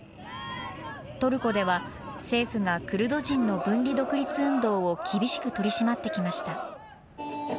トルコでは、政府がクルド人の分離独立運動を厳しく取り締まってきました。